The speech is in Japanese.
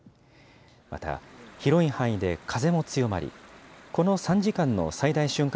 また広い範囲で風も強まり、この３時間の最大瞬間